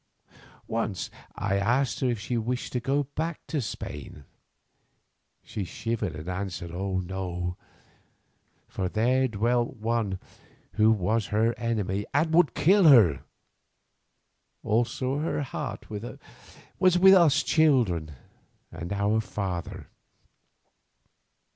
Once I asked her if she wished to go back to Spain. She shivered and answered no, for there dwelt one who was her enemy and would kill her; also her heart was with us children and our father.